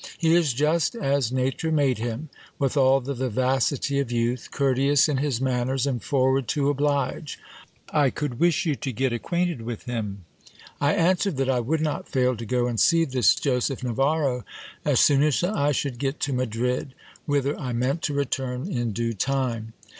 He is just as nature made him, with all the vivacity of youth, courteous in his manners, and forward to oblige ; I could wish you to get ac quainted with him. I answered that I would not fail to go and see this Joseph Navarro as soon as I should get to Madrid, whither I meant to return in due 236 GIL BLAS. time.